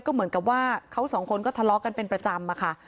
ก็เหมือนกับว่าเขาสองคนก็ทะเลาะกันเป็นประจำอะค่ะ